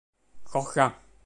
khó khăn